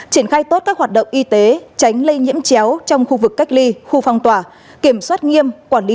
chỉ phải trả phí bôi trơn là năm tổng giá trị gói vay